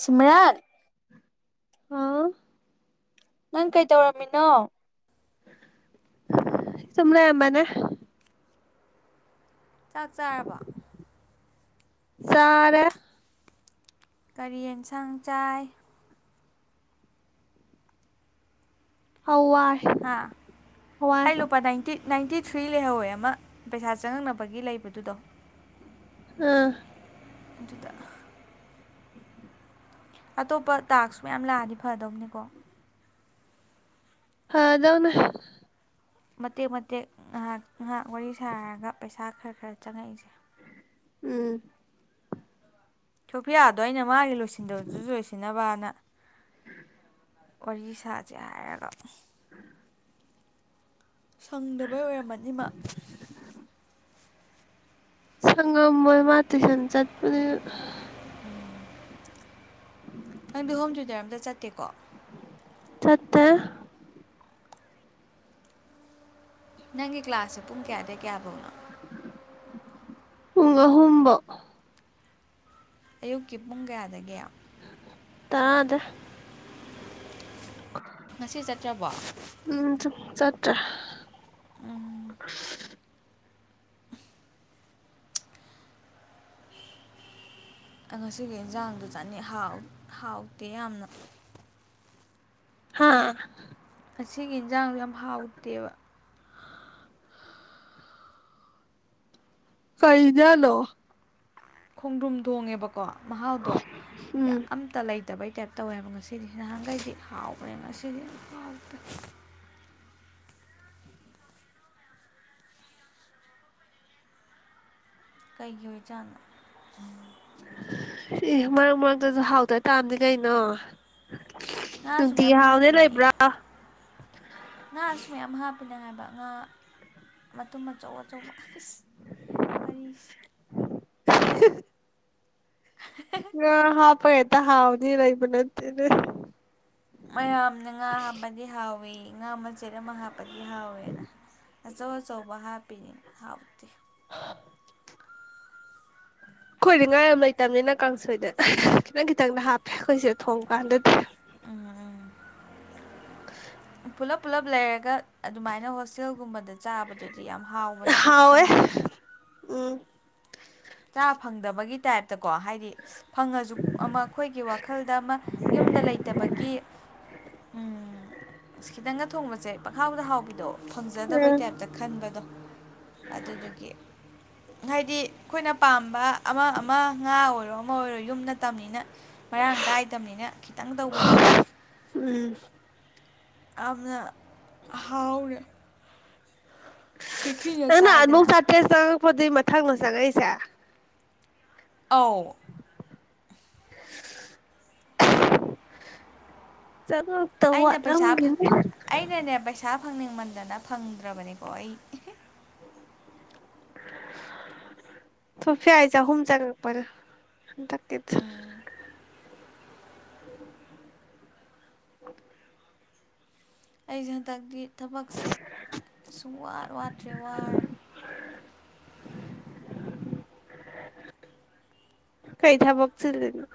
ꯁꯤꯃꯔꯜ ꯍꯥꯎ ꯅꯪ ꯀꯩ ꯇꯧꯔꯝꯃꯤꯅꯣ ꯁꯨꯝ ꯂꯩꯔꯝꯕꯅꯦ ꯆꯥꯛ ꯆꯥꯔꯕ ꯆꯥꯔꯦ ꯀꯔꯤ ꯌꯦꯟꯁꯥꯡ ꯆꯥꯏ ꯍꯋꯥꯏ ꯍꯥ ꯍꯋꯥꯏ ꯑꯩ ꯂꯨꯄꯥ ꯅꯥꯏꯟꯇꯤ ꯅꯥꯏꯟꯇꯤ ꯊ꯭ꯔꯤ ꯂꯩꯍꯧꯋꯦ ꯑꯃ ꯄꯩꯁꯥ ꯆꯪꯉꯛꯅꯕꯒꯤ ꯂꯩꯕꯗꯨꯗꯣ ꯑꯥ ꯑꯗꯨꯗ ꯑꯇꯣꯞꯄ ꯇꯥꯛꯁ ꯃꯌꯥꯝ ꯂꯥꯛꯑꯗꯤ ꯐꯗꯧꯅꯤꯀꯣ ꯐꯗꯧꯅꯤ ꯃꯇꯦꯛ ꯃꯇꯦꯛ ꯉꯥꯏꯍꯥꯛ ꯉꯥꯏꯍꯥꯛ ꯋꯥꯔꯤ ꯁꯥꯔꯒ ꯄꯩꯁꯥ ꯈꯔ ꯈꯔ ꯆꯪꯉꯛꯏꯁꯦ ꯎꯝ ꯁꯣꯐꯤꯌꯥꯗꯣ ꯑꯩꯅ ꯃꯥꯒꯤ ꯂꯣꯏꯁꯤꯟꯗꯕꯗꯨꯁꯨ ꯂꯣꯏꯁꯤꯟꯅꯕꯅ ꯋꯥꯔꯤ ꯁꯥꯥꯁꯦ ꯍꯥꯏꯔꯒ ꯁꯪꯗꯕꯩ ꯑꯣꯏꯔꯝꯃꯅꯤ ꯃꯥ ꯁꯪꯉꯝꯃꯣꯏ ꯃꯥ ꯇ꯭ꯌꯨꯁꯟ ꯆꯠꯄꯅꯤꯅ ꯅꯪꯗꯤ ꯍꯣꯝ ꯇ꯭ꯌꯨꯇꯔ ꯑꯝꯇ ꯆꯠꯇꯦꯀꯣ ꯆꯠꯇꯦ ꯅꯪꯒꯤ ꯀ꯭ꯂꯥꯁꯁꯦ ꯄꯨꯡ ꯀꯌꯥꯗꯩ ꯀꯌꯥ ꯕꯥꯎꯅꯣ ꯄꯨꯡ ꯑꯍꯨꯝꯕꯣꯛ ꯑꯌꯨꯛꯀꯤ ꯄꯨꯡ ꯀꯌꯥꯗꯒꯤ ꯇꯥꯗ꯭ꯔ‌ꯣ ꯉꯁꯤ ꯆꯠꯇ꯭ꯔꯕꯣ ꯆꯠ ꯎꯝ ꯑ ꯉꯁꯤꯒꯤ ꯌꯦꯟꯁꯥꯡꯗꯨ ꯆꯥꯅꯤꯡ ꯍꯥꯎ ꯍꯥꯎꯇꯦ ꯌꯥꯝꯅ ꯍꯥꯥ ꯉꯁꯤꯒꯤ ꯏꯟꯖꯥꯡꯗꯣ ꯌꯥꯝ ꯍꯥꯎꯇꯦꯕ꯫ ꯀꯩ ꯏꯟꯖꯥꯡꯅꯣ꯫ ꯈꯣꯡꯗ꯭ꯔꯨꯝ ꯊꯣꯡꯉꯦꯕ ꯀꯣ ꯃꯍꯥꯎꯗꯣ ꯌꯥꯝ ꯎꯝ ꯑꯝꯇ ꯂꯩ ꯇꯕꯩ ꯇꯥꯏꯞ ꯇꯧꯋꯦꯕ ꯉꯁꯤꯗꯤ ꯅꯍꯥꯟꯒꯩꯗꯤ ꯍꯥꯎꯕꯅꯦꯕ ꯉꯁꯤꯗꯤ ꯍꯥꯎꯇꯦ꯫ ꯀꯩꯒꯤ ꯑꯣꯏ ꯖꯥꯅꯣ꯫ ꯑꯦ ꯃꯔꯛ ꯃꯔꯛꯇꯁꯨ ꯍꯥꯎꯇ ꯇꯥꯃꯅꯤ ꯀꯩꯅꯣ꯫ ꯉꯥꯁꯨ ꯅꯨꯡꯇꯤꯒꯤ ꯃꯌꯥꯝ ꯍꯥꯎꯅꯤ ꯍꯥꯞꯄꯤꯅꯦ ꯂꯩꯕ꯭ꯔꯥ ꯉꯥꯁ ꯃꯌꯥꯝ ꯍꯥꯞ [unintelligible] ꯍꯥꯏꯕ ꯉꯥ ꯑꯃ ꯑꯗꯨꯨꯝ ꯑꯆꯧ ꯑꯆꯧꯕ ꯑꯁ [unintelligible] [unintelligible] ꯉꯥ ꯍꯥꯥꯎꯞꯒ ꯍꯦꯛꯇꯥ ꯍꯥꯎ ꯅꯤ ꯂꯩꯕ ꯅꯠꯇꯦꯅꯦ꯫ ꯃꯌꯥꯝꯅ ꯉꯥ ꯍꯥꯞꯄꯗꯤ ꯍꯥꯎꯋꯤ ꯉꯥ ꯃꯆꯦꯠ ꯑꯃ ꯍꯥꯞꯄꯗꯤ ꯍꯥꯎꯋꯦꯅ ꯑꯆꯧ ꯑꯆꯧꯕ ꯍꯥꯞꯄꯤꯅꯤ ꯍꯥꯎꯇꯦ꯫ [unintelligible] ꯑꯩꯈꯣꯏꯗꯤ ꯉꯥ ꯌꯥꯝ ꯂꯩꯇꯝꯃꯤꯅ ꯀꯥꯡꯁꯣꯏꯗ ꯈꯤꯇꯪ ꯈꯤꯇꯪꯗ ꯍꯥꯞꯄꯦ ꯑꯩꯈꯣꯏꯁꯤ ꯊꯣꯡꯕ ꯀꯥꯟꯗꯗꯤ꯫ ꯎꯝ ꯎꯝ꯫ ꯄꯨꯂꯞ ꯄꯨꯂꯞ ꯂꯩꯔꯒ ꯑꯗꯨꯃꯥꯏꯅ ꯍꯣꯁꯇꯦꯜꯒꯨꯝꯕꯗ ꯆꯥꯕꯗꯨꯗꯤ ꯌꯥꯝ ꯍꯥꯎꯕꯅꯤꯗ ꯈꯤꯇꯪ ꯍꯥꯎꯋꯦ ꯑꯣꯏꯔꯖꯨ꯫ ꯎꯝ ꯆꯥ ꯐꯪꯗꯕꯒꯤ ꯇꯥꯏꯞꯇꯀꯣ ꯍꯥꯏꯗꯤ ꯐꯪꯉꯁꯨ ꯑꯃ ꯑꯩꯈꯣꯏꯒꯤ ꯋꯥꯈꯜꯗ ꯑꯃ ꯌꯨꯝꯗ ꯂꯩꯇꯕꯒꯤ ꯈꯤꯇꯪꯒ ꯊꯣꯡꯕꯁꯦ ꯄꯥꯛꯈꯥꯎꯗ ꯍꯥꯎꯕꯤꯗꯣ ꯐꯪꯖꯗꯕꯩ ꯎꯝ ꯇꯥꯏꯞꯇ ꯈꯟꯕꯗꯣ꯫ ꯑꯗꯨꯗꯨꯒꯤ꯫ ꯍꯥꯏꯗꯤ꯫ ꯑꯩꯈꯣꯏꯅ ꯄꯥꯝꯕ ꯑꯃ ꯑꯃ ꯉꯥ ꯑꯣꯏꯔꯣ ꯑꯃ ꯑꯣꯏꯔꯣ ꯌꯨꯝ ꯅꯠꯇꯝꯃꯤꯅ ꯃꯔꯥꯡ ꯀꯥꯏꯗꯃꯤꯅ ꯈꯤꯇꯪ ꯇꯧꯕꯗ ꯎꯝ [unintelligible] ꯍꯥꯎꯔꯦ꯫ ꯑꯗꯨꯅ ꯑꯗꯨꯝ ꯆꯥꯏꯗꯅ ꯆꯥꯇꯔꯦꯠ ꯆꯥ [unintelligible] ꯑꯣ ꯗꯨꯏ ꯃꯊꯪꯂꯣ ꯆꯪꯉꯛꯏꯖꯦ꯫ ꯑꯥꯎ꯫ [unintelligible] ꯆꯉꯛꯇꯧ ꯑꯩꯅ ꯄꯩꯁꯥ ꯐꯪ ꯋꯥꯠꯂꯝꯒꯤꯅꯤ꯫ ꯑꯩꯅꯅꯦ ꯄꯩꯁꯥ ꯐꯪꯅꯤꯡꯃꯟꯗꯅ ꯐꯪꯗ꯭ꯔꯕꯅꯤꯀꯣ ꯑꯩ꯫ ꯁꯣꯐꯤꯌꯥꯏ ꯆꯍꯨꯝꯆ ꯂꯪꯉꯛꯄꯅꯤ꯫ [unintelligible] [unintelligible] ꯑꯩꯁꯦ ꯍꯟꯗꯛꯇꯤ ꯊꯕꯛꯁꯦ ꯁꯨꯡꯋꯥꯠ ꯋꯥꯠꯇ꯭ꯔꯦ ꯋꯥꯔꯦ꯫ ꯀꯩ ꯊꯥꯕꯛꯆꯤꯜꯂꯤꯅꯣ꯫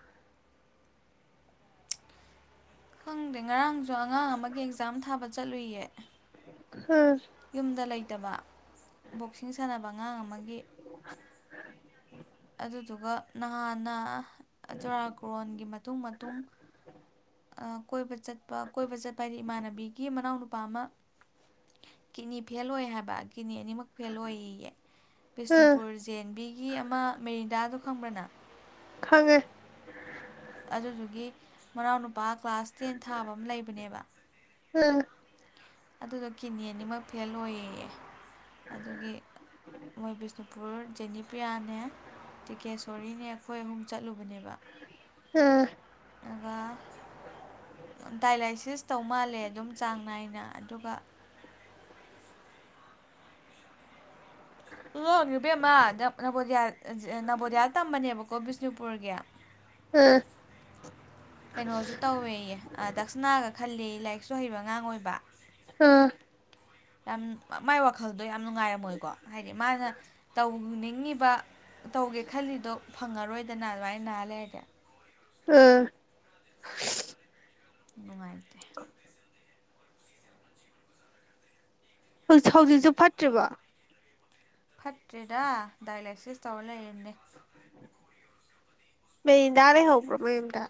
ꯈꯪꯗꯦ ꯉꯔꯥꯡꯁꯨ ꯑꯉꯥꯡ ꯑꯃꯒꯤ ꯑꯦꯛꯖꯥꯝ ꯊꯥꯕ ꯆꯠꯂꯨꯏꯌꯦ꯫ ꯍ ꯌꯨꯝꯗ ꯂꯩꯇꯕ ꯕꯣꯛꯁꯤꯡ ꯁꯥꯟꯅꯕ ꯑꯉꯥꯡ ꯑꯃꯒꯤ [inaudible] ꯑꯗꯨꯗꯨꯒ ꯅꯍꯥꯟꯅ ꯆꯨꯔꯥꯀꯣꯔꯣꯟꯒꯤ ꯃꯇꯨꯡ-ꯃꯇꯨꯡ ꯑ ꯀꯣꯏꯕ ꯆꯠꯄ ꯀꯣꯏꯕ ꯆꯠꯄ ꯍꯥꯏꯗꯤ ꯏꯃꯥꯟꯅꯕꯤꯒꯤ ꯃꯅꯥꯎ ꯅꯨꯄꯥ ꯑꯃ ꯀꯤꯗꯅꯤ ꯐꯦꯜ ꯑꯣꯏ ꯍꯥꯏꯕ꯫ ꯀꯤꯗꯅꯤ ꯑꯅꯤꯃꯛ ꯐꯦꯜ ꯑꯣꯏꯌꯦꯌꯦ ꯎꯝ ꯕꯤꯁꯅꯨꯄꯨꯔ ꯖꯦꯟꯕꯤꯒꯤ ꯑꯃ ꯃꯦꯔꯤꯟꯗꯥꯗꯣ ꯈꯪꯕꯔ ꯅꯪ ꯈꯪꯉꯦ꯫ ꯑꯗꯨꯗꯨꯒꯤ ꯃꯅꯥꯎꯅꯨꯞ ꯄꯥ ꯀ꯭ꯂꯥꯁ ꯇꯦꯟ ꯊꯥꯕ ꯑꯃ ꯂꯩꯕꯅꯦꯕ꯫ ꯑꯥ ꯑꯗꯨꯗꯣ ꯀꯤꯅꯤ ꯑꯅꯤꯃꯛ ꯐꯦꯜ ꯑꯣꯏꯌꯦꯌꯦ꯫ ꯑꯗꯨꯒꯤ ꯃꯣꯏ ꯕꯤꯁꯅꯨ [unintelligible] ꯅꯦ ꯇꯤꯀꯦꯁꯣꯔꯤꯅꯦ ꯑꯩꯈꯣꯏ ꯑꯍꯨꯝ ꯆꯠꯂꯨꯕꯅꯦꯕ꯫ ꯎꯝ ꯑꯗꯨꯒ ꯗꯥꯏꯂꯥꯏꯁꯤꯁ ꯇꯧ ꯃꯥꯜꯂꯦ ꯑꯗꯨꯝ ꯆꯥꯡ ꯅꯥꯏꯅ ꯑꯗꯨꯒ [unintelligible] ꯏꯕꯦꯃꯥ ꯅꯣꯕꯣꯗꯥꯌꯥ ꯑꯟ ꯖꯦ ꯅꯕꯣꯗꯌꯥ ꯇꯝꯕꯅꯦꯕ ꯀꯣ ꯕꯤꯁꯅꯨꯄꯨꯔꯒꯤ ꯑ ꯀꯩꯅꯣꯁꯨ ꯇꯧꯋꯦꯌꯦ ꯑ ꯗꯛꯁꯅꯥꯒ ꯈꯜꯂꯦ ꯌꯦ꯫ ꯂꯥꯏꯔꯤꯛꯁꯨ ꯍꯩꯕ ꯑꯉꯥꯡ ꯑꯣꯏꯕ꯫ ꯑꯥ ꯌꯥꯝ ꯃꯥꯏ ꯋꯥꯈꯜꯗꯣ ꯌꯥꯝ ꯅꯨꯡꯉꯥꯏꯔꯝꯃꯣꯏꯀꯣ ꯍꯥꯏꯗꯤ ꯃꯥꯅ ꯇꯧꯅꯤꯡꯉꯤꯕ ꯇꯧꯒꯦ ꯈꯜꯂꯤꯗꯣ ꯐꯪꯉꯔꯣꯏꯗꯅ ꯑꯗꯨꯃꯥꯏꯅ ꯅꯥ ꯂꯩꯔꯗꯤ꯫ ꯑꯥ ꯅꯨꯡꯉꯥꯏ꯫ [inaudible] ꯍꯧ ꯍꯧꯖꯤꯛꯁꯨ ꯐꯠꯇ꯭ꯔꯤꯕꯣ ꯐꯠꯇ꯭ꯔꯤꯗ ꯗꯥꯏꯂꯥꯏꯁꯤꯁ ꯇꯧꯔ ꯂꯩꯔꯅꯦ ꯃꯦꯔꯤꯟꯗ ꯂꯩꯍꯧꯕ꯭ꯔꯣ ꯃꯌꯨꯝꯗ꯫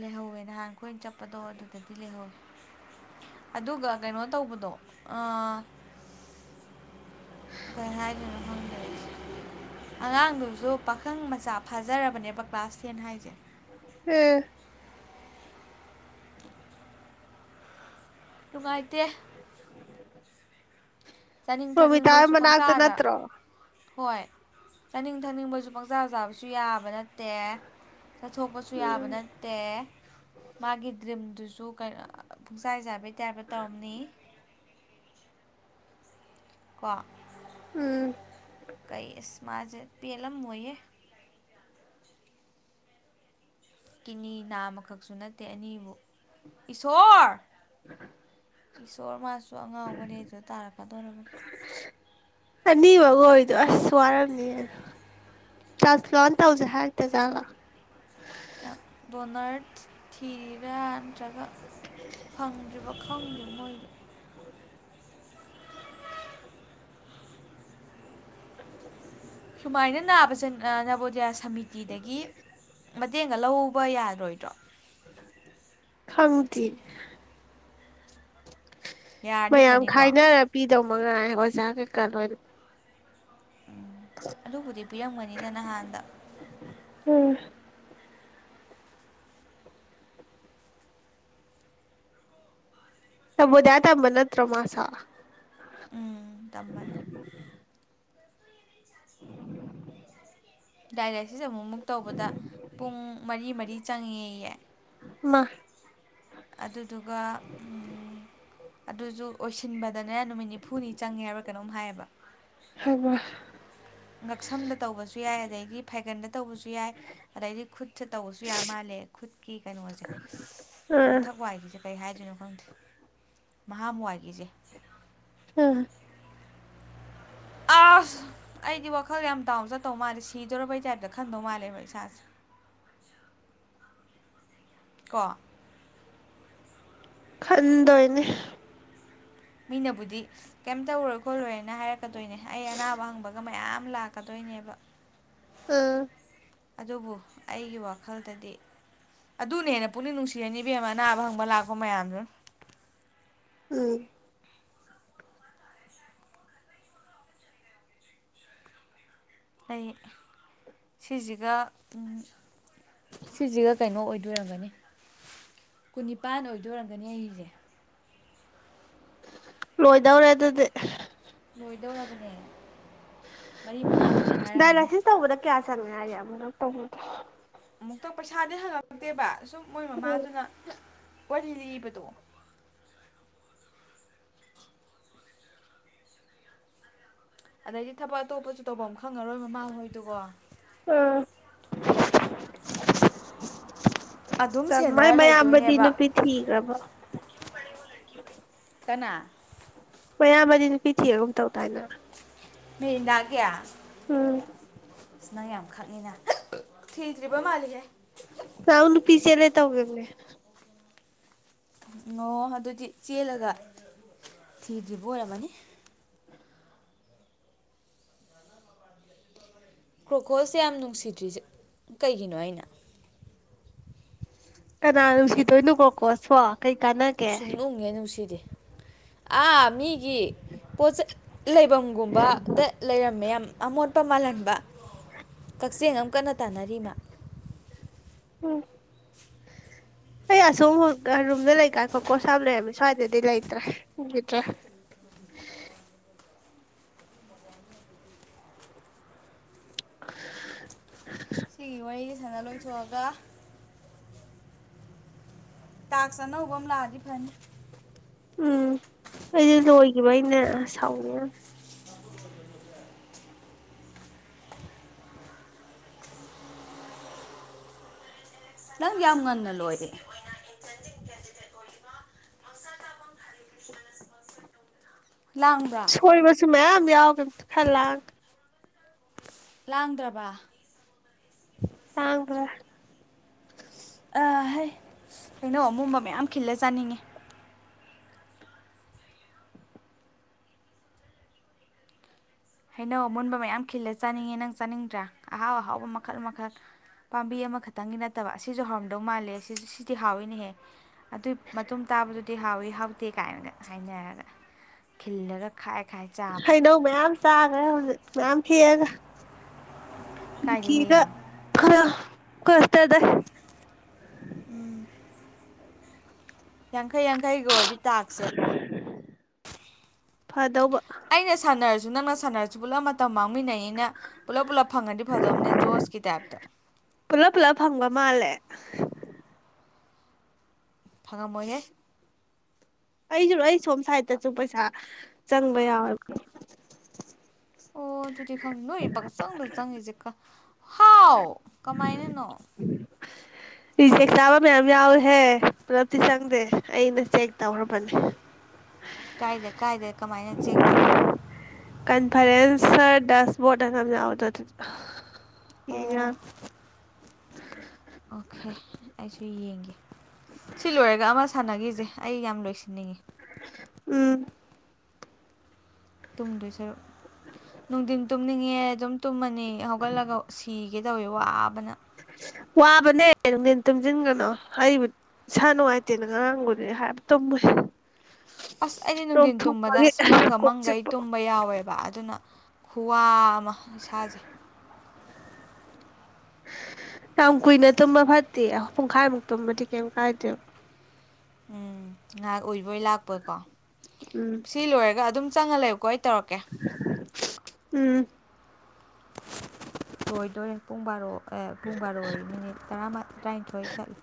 ꯂꯩꯍꯧꯋꯦ ꯅꯍꯥꯟ ꯑꯩꯈꯣꯏꯅ ꯆꯠꯄꯗꯣ ꯑꯗꯨꯗꯗꯤ ꯂꯩꯍꯧꯋꯦ ꯑꯗꯨꯒ ꯀꯩꯅꯣ ꯇꯧꯕꯗꯣ ꯑꯥ ꯀꯩ ꯍꯥꯏꯗꯣꯏꯅꯣ ꯈꯪꯗꯔꯦ ꯑꯩꯁꯦ꯫ ꯑꯉꯥꯡꯗꯨꯁꯨ ꯄꯥꯈꯪ ꯃꯆꯥ ꯐꯥꯖꯔꯕꯅꯦꯕ ꯀ꯭ꯂꯥꯁ ꯇꯦꯟ ꯍꯥꯏꯁꯦ ꯎꯝ ꯅꯨꯡꯉꯥꯏꯇꯦ ꯆꯥꯅꯤꯡ ꯔꯣꯃꯤꯇꯥ ꯊꯛꯅꯤꯡꯕꯁꯨ ꯃꯅꯥꯛꯇ ꯄꯪꯆꯥꯗ ꯅꯠꯇ꯭ꯔꯣ ꯍꯣꯏ ꯆꯥꯅꯤꯡ ꯊꯛꯅꯤꯡꯕꯁꯨ ꯄꯪꯆꯥ ꯆꯥꯕꯁꯨ ꯌꯥꯕ ꯅ ꯅꯠꯇꯦ ꯆꯠꯊꯣꯛꯄꯁꯨ ꯌꯥꯕ ꯎꯝ ꯅꯠꯇꯦ ꯃꯥꯒꯤ ꯗ꯭ꯔꯤꯝꯗꯨꯁꯨ ꯄꯨꯡꯆꯥꯏ ꯆꯥꯕ ꯇꯕ ꯇꯣꯝꯅꯤ ꯀꯣ ꯎꯝ ꯀꯩ ꯏꯁꯃꯥꯖ ꯄꯦꯜꯂꯝ ꯃꯣꯏꯌꯦꯦ ꯀꯤꯅꯤ ꯅꯥꯝꯃꯈꯛꯁꯨ ꯅꯠꯇꯦ ꯑꯅꯤꯕꯨ ꯏꯁꯣꯔ ꯏꯁꯁꯣꯔ ꯃ ꯃꯥꯖ ꯁ ꯑꯉꯥꯎꯕꯅꯦ ꯑꯗꯨꯗ ꯇꯥꯔꯛꯀꯗꯧꯔꯕꯅꯤ ꯑꯅꯤꯃꯛꯒ ꯑꯣꯏꯗꯣ ꯑꯁ ꯋꯥꯔꯝꯅꯤ ꯇ꯭ꯔꯥꯟꯁꯄ꯭ꯂꯥꯟ ꯇꯧꯁꯦ ꯍꯥꯏꯔꯛꯇꯦꯖꯥꯠꯂ ꯕꯣꯅꯔ ꯊꯤꯔꯤꯕ ꯅꯠꯇ꯭ꯔꯒ ꯐꯪꯗ꯭ꯔꯤꯕ ꯈꯪꯗꯦ ꯃꯣꯏꯗꯤ [unintelligible] ꯁꯨꯃꯥꯏꯅ ꯅꯅꯥꯁ ꯅꯕꯗꯤꯦ ꯁꯃꯤꯇꯤꯗꯒꯤ ꯃꯇꯦꯡꯒ ꯂꯧꯕ ꯌꯥꯒꯦ ꯇꯣꯣꯏꯇꯣ ꯈꯪꯇ ꯌꯥꯔꯗꯤ ꯃꯌꯥꯝ ꯐꯅꯤꯀꯣ ꯈꯥꯏꯅꯔ ꯄ ꯇꯧ ꯃ ꯉ ꯍꯖꯥ ꯀꯩꯀꯥ ꯂꯣꯏꯅ ꯎꯝ ꯑꯗꯨꯕꯨꯗꯤ ꯄꯤꯔꯝꯒꯅꯤꯗ ꯅꯍꯥꯟꯗ ꯎꯝ ꯇꯕꯨꯗꯌꯥ ꯇ ꯃ ꯅꯠꯇ꯭ꯔꯣꯃꯁ ꯎꯝ ꯇꯃꯅꯤ ꯎ ꯗꯥꯏꯂꯥꯏꯁꯤꯁ ꯑꯃꯨꯛꯃꯨꯛ ꯇꯧꯕꯗ ꯄꯨꯡ ꯃꯔꯤ ꯃꯔꯤ ꯆꯪꯉꯦꯌꯦ ꯃꯥ ꯑꯗꯨꯗꯨꯒ ꯑꯗꯨꯁꯨ ꯑꯣꯏꯁꯤꯟꯕꯗꯅꯦ ꯅꯨꯃꯤꯠ ꯅꯤꯐꯨꯅꯤ ꯆꯪꯉꯦ ꯍꯥꯏꯕ ꯀꯩꯅꯣꯝ ꯍꯥꯏꯌꯦꯕ ꯍꯩꯃꯥ ꯉꯛꯁꯝꯗ ꯇꯧꯕꯁꯨ ꯌꯥꯏ ꯑꯗꯩꯗꯤ ꯐꯥꯏꯒꯟꯗ ꯇꯧꯕꯁꯨ ꯌꯥꯏ ꯑꯗꯩꯗꯤ ꯈꯨꯠ ꯁ ꯇꯧꯕꯁꯨ ꯌꯥꯝ ꯃꯥꯜꯂꯦ ꯈꯨꯠꯀꯤ ꯀꯩꯅꯣꯁꯦ ꯑꯁ ꯑꯥ ꯃꯊꯛ ꯋꯥꯏꯒꯤ ꯆ ꯀꯩ ꯍꯥꯏꯗꯣꯏꯅꯣ ꯈꯪꯗꯦ ꯃꯍꯝ ꯋꯥꯏꯒꯤꯁꯦ ꯑ ꯑꯁ ꯑꯩꯗꯤ ꯋꯥꯈꯜꯗ ꯌꯥꯝ ꯗꯥꯅ ꯆꯠꯇꯧ ꯃꯥꯜꯂꯦ ꯁꯤꯗꯣꯔꯔꯕꯩ ꯇꯥꯏꯞꯇ ꯈꯟꯗꯧ ꯃꯥꯜꯂꯦꯕ ꯏꯁꯥꯁꯦ ꯀꯣ ꯈꯟꯗꯣꯏꯅꯦ ꯃꯤꯅꯕꯨꯗꯤ ꯀꯩꯝ ꯇꯧꯔꯣꯏ ꯈꯣꯠꯂꯣꯏꯅ ꯍꯥꯏꯔꯛꯀꯗꯣꯏꯅꯦ ꯑꯩ ꯑꯅꯥꯕ ꯍꯪꯕꯒ ꯃꯌꯥꯝ ꯂꯥꯛꯀꯗꯣꯏꯅꯦꯕ ꯎꯝ ꯑꯗꯨꯕꯨ ꯑꯩꯒꯤ ꯋꯥꯈꯜꯗꯗꯤ ꯑꯗꯨꯅ ꯍꯦꯟꯅ ꯄꯨꯛꯅꯤꯡ ꯅꯨꯡꯁꯤꯔꯅꯤ ꯏꯕꯦꯝ ꯑꯃ ꯑꯅꯥꯕ ꯍꯪꯕ ꯂꯥꯛꯄ ꯃꯌꯥꯝꯗꯨ ꯎꯝ ꯑꯩ ꯁꯤꯁꯤꯒ ꯁꯤꯁꯤꯒ ꯀꯩꯅꯣ ꯑꯣꯏꯗꯣꯏꯔꯝꯒꯅꯤ ꯀꯨꯟꯅꯤꯄꯥꯟ ꯑꯣꯏꯗꯣꯏꯔꯝꯒꯅꯤ ꯑꯩꯁꯦ ꯂꯣꯏꯗꯕꯔꯦꯗꯗꯤꯦ ꯂꯣꯏꯗꯧꯔꯕꯅꯦ ꯃꯔꯤ ꯃꯉꯥ ꯈꯛꯇ ꯉꯥꯏꯔꯝꯃꯅꯤ ꯆꯪꯉꯥꯏꯦ ꯌꯥꯝ ꯑꯃꯅ ꯇꯧꯕꯗ꯭ꯔꯦ ꯃꯛꯇ ꯄ ꯏꯁꯥꯗꯤ ꯍꯪꯉꯃꯛꯇꯦꯕ ꯁꯨꯝ ꯃꯣꯏ ꯎꯝ ꯃꯃꯥꯗꯨꯅ ꯋꯥꯔꯤ ꯂꯤꯕ ꯇꯣ ꯑꯗꯩꯗꯤ ꯊꯕꯛ ꯑꯇꯣꯞꯄꯁꯨ ꯇꯧꯕꯐꯝ ꯑꯃ ꯈꯪꯉꯔꯣꯏ ꯃꯃꯥꯡꯍꯣꯏꯗꯨꯒꯣ ꯎ ꯑꯗꯨꯝ ꯆꯝꯃꯥꯏ ꯁꯦꯟꯅꯔ ꯃꯌꯥꯝꯕꯗꯤ ꯂꯩꯗꯣꯏꯅꯦꯕ ꯅꯨꯄꯤ ꯊꯤꯈ꯭ꯔꯕ ꯀꯅꯥ ꯃꯌꯥꯝꯕꯗꯤ ꯅꯨ ꯄꯤꯊꯤꯑꯒꯨꯝ ꯇꯧ ꯇꯥꯏꯅ ꯃꯗꯥ ꯀꯌꯥ ꯎꯝ ꯅꯪ ꯌꯥꯝ ꯈꯛꯉꯤꯅ ꯊꯤꯔꯤꯄꯥ ꯃꯥꯜꯂꯤꯦ ꯇꯒꯦ ꯑꯣ ꯑꯗꯨꯗꯤ ꯆꯦꯜꯂꯒ ꯊꯤꯗ꯭ꯔꯤꯕ ꯑꯣꯏꯔꯝꯃꯅꯤ ꯀ꯭ꯔꯣꯀꯣꯜꯁꯦ ꯌꯥꯝ ꯅꯨꯡꯁꯤꯗ꯭ꯔꯤꯁ ꯀꯩꯒꯤꯅꯣ ꯑꯩꯅ ꯀꯅꯥ ꯅꯨꯡꯁꯤꯗꯣꯏꯅꯣꯀꯣꯀꯣ ꯁꯣ ꯀꯩ ꯀꯥꯟꯅꯒꯦ ꯁꯨꯡꯅꯨꯡ ꯍꯦꯛ ꯅꯨꯡꯁꯤꯗꯦ ꯑꯥ ꯃꯤꯒꯤ ꯄꯣꯆ ꯂꯩꯐꯝꯒꯨꯝꯕꯗ ꯂꯩꯔꯝꯃꯦ ꯌꯥꯝ ꯑꯃꯣꯠꯄ ꯃꯥꯜꯍꯟꯕ ꯀꯛꯆꯤꯡ ꯑꯃ ꯀꯟꯅ ꯇꯥꯅꯔꯤꯃ ꯎꯝ ꯑꯩ ꯑꯁꯣꯝ ꯔꯨꯝꯗ ꯂꯩꯀꯥꯏ ꯈꯣꯀꯣꯁꯝ ꯂꯩꯔꯝꯃꯤ ꯁ꯭ꯋꯥꯏꯗꯗꯤ ꯂꯩꯇ꯭ꯔꯦꯈꯤꯗ꯭ꯔꯥ ꯁꯤ ꯋꯥ ꯁꯅ ꯂꯣꯏꯊꯣꯛꯑꯒ ꯇꯥꯛꯁꯅꯧꯕ ꯑꯃ ꯂꯥꯛꯑꯦ ꯐꯅꯤ ꯎꯝ ꯑꯩꯗꯤ ꯂꯣꯏꯈꯤꯕ ꯑꯩꯅ ꯁꯥꯎꯅꯤ ꯅꯪ ꯌꯥꯝ ꯉꯟꯅ ꯂꯣꯏꯔꯦ ꯂꯥꯡꯕ꯭ꯔꯥ ꯁꯣꯏꯕꯁꯨ ꯃꯌꯥꯝꯌꯥꯝ ꯌꯥꯎꯒ ꯈꯜꯂꯑꯒ ꯂꯥꯡꯗ꯭ꯔꯕ ꯇꯥꯡꯦ ꯑꯍ ꯀꯩꯅꯣ ꯑꯃꯣꯕ ꯃꯌꯥꯝ ꯈꯤꯜꯂ ꯆꯥꯅꯤꯡꯉꯤ ꯍꯩꯅꯧ ꯑꯃꯨꯟꯕ ꯃꯌꯥꯝ ꯈꯤꯜꯂ ꯆꯥꯅꯤꯡꯉꯦ ꯅꯪ ꯆꯥꯅꯤꯡꯗ꯭ꯔꯥ ꯑꯍꯥꯎ ꯑꯍꯥꯎꯕ ꯃꯈꯜ ꯃꯈꯜ ꯄꯥꯝꯕꯤ ꯑꯃꯈꯛꯇꯪꯒꯤ ꯅꯠꯇꯕ ꯑꯁꯤꯁꯨ ꯍꯥꯎꯔꯝꯗꯧ ꯃꯥꯜꯂꯦꯁꯨ ꯁꯤꯗꯤ ꯍꯥꯎꯏꯤꯅꯦꯍꯦ ꯑꯗꯨꯏ ꯃꯇꯨꯡ ꯇꯥꯕꯗꯨꯗꯤ ꯍꯥꯎꯋꯤ ꯍꯥꯎꯇꯦ ꯀꯥꯏꯅꯒ ꯍꯥꯏꯅꯔꯒ ꯈꯤꯜꯂꯒ ꯈꯥꯏ ꯈꯥꯏ ꯆꯥꯕ ꯍꯩꯗꯧꯕ ꯆꯥꯒꯦ ꯍꯧꯖꯤꯛ ꯌꯥꯝꯝ ꯀꯔꯒ ꯀꯥꯏꯗ ꯒ ꯍꯦꯛꯏꯅꯣ ꯈꯔ ꯀ ꯠꯇꯗ ꯎꯝ ꯌꯥꯡꯈꯩ ꯌꯥꯡꯈꯩꯒ ꯑꯣꯏꯔꯗꯤ ꯇꯥꯛꯁꯦ ꯐꯗꯣ ꯑꯩꯅ ꯁꯥꯟꯅꯔꯁꯨ ꯅꯪꯅ ꯁꯥꯟꯅꯔꯁꯨ ꯄꯨꯜꯂꯞ ꯃꯇꯝ ꯃꯥꯡꯃꯤꯟꯅꯩ ꯄꯨꯂꯞ ꯄꯨꯂꯞ ꯐꯪꯉꯗꯤ ꯐꯗꯣꯝꯅꯦ ꯖꯣꯁꯀꯤ ꯇꯥꯏꯞꯇ ꯄꯨꯂꯞ ꯄꯨꯂꯞ ꯐꯪꯕ ꯃꯥꯜꯂꯦ ꯐꯪꯉꯝꯃꯣꯏꯍꯦ ꯑꯩꯁꯨꯂꯣ ꯑꯩ ꯁꯣꯝ ꯁꯥꯏꯗꯠꯇꯁꯨ ꯄꯩꯁꯥ ꯆꯪꯕ ꯌꯥꯎꯋꯣꯏ ꯑꯣ ꯑꯗꯨꯗꯤ ꯈꯪ ꯅꯣꯏ ꯄꯪꯆꯪꯗꯣ ꯆꯪꯉꯁꯦ ꯍꯥꯎ ꯀꯃꯥꯏꯅꯅꯣ ꯆꯦꯛ ꯆꯥꯕ ꯃꯌꯥꯝ ꯌꯥꯎꯏꯦꯍꯦ ꯄꯨꯂꯞꯇꯤ ꯆꯪꯗꯦ ꯑꯩꯅ ꯆꯦꯛ ꯇꯧꯈ꯭ꯔꯕꯅꯤ ꯀꯥꯏꯗ ꯀꯥꯏꯗ ꯀꯃꯥꯏꯅ ꯆꯦꯛ ꯇꯧꯔꯤꯅꯣ ꯐꯔ ꯁꯔ ꯗꯁꯕꯣꯠ ꯅꯅꯗ ꯑꯣ ꯍꯒ [unintelligible] ꯑꯣꯀꯦ ꯑꯩꯁꯨ ꯌꯦꯡꯒꯦ ꯁꯤ ꯂꯣꯏꯔꯒ ꯑꯃ ꯁꯥꯟꯅꯈꯤꯁꯦ ꯑꯩ ꯌꯥꯝ ꯂꯣꯏꯁꯤꯟꯅꯤꯡꯉꯤ ꯎꯝ ꯇꯨꯝꯗꯣꯏ ꯁꯔꯨꯛ ꯅꯨꯡꯊꯤꯟ ꯇꯨꯝꯅꯤꯡꯉꯦ ꯑꯗꯨꯝꯨꯝ ꯅꯤ ꯍꯧꯒꯠꯂꯒ ꯁꯤꯒ ꯀꯗꯧꯋ ꯋꯥ ꯇꯕꯅ ꯋꯥꯕꯅꯦ ꯅꯨꯡꯊꯦꯟ ꯇꯨꯝꯁꯤꯟꯒꯅꯣ ꯑꯩꯕꯨ ꯏꯁꯥ ꯅꯨꯡꯉꯥꯏꯇꯦꯅ ꯉꯔꯥꯡꯕꯨꯗꯤ ꯍꯥꯏꯕ ꯇꯨꯝꯃꯨ ꯑꯁ ꯑꯩꯗꯤ ꯅꯨꯡꯊꯤꯟ ꯇꯨꯝꯕꯗ ꯑꯁ ꯃꯪꯒ ꯀꯣꯛ ꯃꯪꯒ ꯑꯩ ꯆꯤꯛꯄ ꯇꯨꯝꯕ ꯌꯥꯎꯋꯦꯕ ꯑꯗꯨꯅ ꯈꯨꯋꯥ ꯑꯃ ꯁꯥꯥꯁꯩ ꯌꯥꯝ ꯀꯨꯏꯅ ꯇꯨꯝꯕ ꯐꯠꯇꯦ ꯄꯨꯡꯈꯥꯏꯃꯨꯛ ꯇꯨꯝꯕꯗꯤ ꯀꯩꯝ ꯀꯥꯏꯗꯦ ꯎꯝ ꯉꯥꯏꯍꯥꯛ ꯑꯣꯏꯕꯣꯏ ꯂꯥꯛꯄꯣꯏꯀꯣ ꯎꯝ ꯁꯤ ꯂꯣꯏꯔꯒ ꯑꯗꯨꯝ ꯆꯥꯡꯉ ꯂꯥꯏꯦꯀꯣꯏ ꯎꯝ ꯑꯣꯏꯣꯏꯗꯔꯦ ꯄꯨꯡ ꯕꯥꯔꯣ ꯄꯨꯡ ꯕꯥꯔꯣꯏ ꯃꯤꯅꯤꯠ ꯇꯔꯥꯃ ꯇꯔꯥꯅꯤꯊꯣꯏ ꯆꯠꯂꯤ